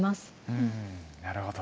うんなるほど。